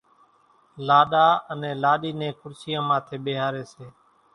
لاڏا انين لاڏِي نين کُڙسِيان ماٿيَ ٻيۿاريَ سي۔